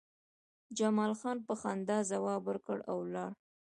جمال خان په خندا ځواب ورکړ او لاړ